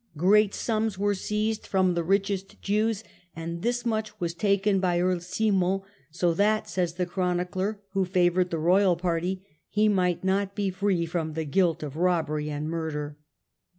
Great sums were seized from the richest Jews, and of this much was taken by Earl Simon, "so that", says the chronicler who favoured the royal party, "he might not be free from the guilt of robbery and murder".